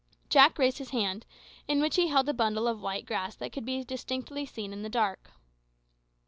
Jack raised his hand, in which he held a bunch of white grass that could be distinctly seen in the dark.